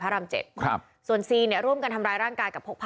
พระรรมเจดครับส่วนเนี้ยร่วมกันทำรายร่างกายกับพกพา